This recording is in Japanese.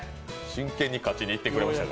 真剣に勝ちに行ってくれました。